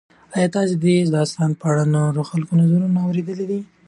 ایا ته د دې داستان په اړه د نورو خلکو نظرونه اورېدلي دي؟